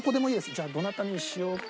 じゃあどなたにしようかな。